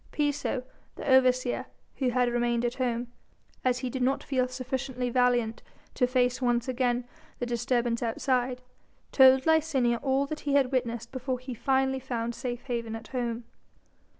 Piso the overseer who had remained at home, as he did not feel sufficiently valiant to face once again the disturbance outside, told Licinia all that he had witnessed before he finally found safe haven at home.